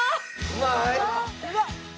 うわ。